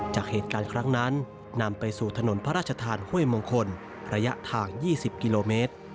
จากเหตุการณ์ครั้งนั้นนำไปสู่ถนนพระราชทานห้วยมงคลระยะทาง๒๐กิโลเมตร